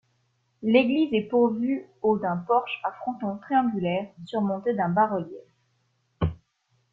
L'église est pourvue au d'un porche à fronton triangulaire surmonté d'un bas-relief.